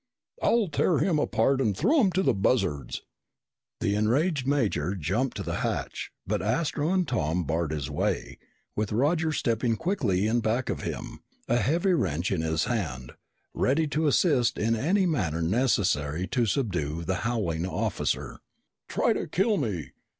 "I'll tear him apart and throw him to the buzzards!" The enraged major jumped to the hatch but Astro and Tom barred his way, with Roger stepping quickly in back of him, a heavy wrench in his hand, ready to assist in any manner necessary to subdue the howling officer. "Try to kill me!"